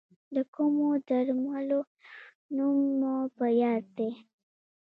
د کومو درملو نوم مو په یاد دی؟